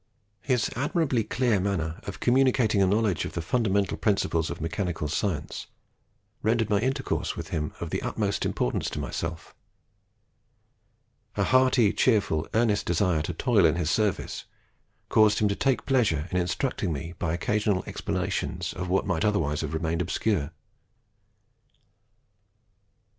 His admirably clear manner of communicating a knowledge of the fundamental principles of mechanical science rendered my intercourse with him of the utmost importance to myself. A hearty, cheerful, earnest desire to toil in his service, caused him to take pleasure in instructing me by occasional explanations of what might otherwise have remained obscure.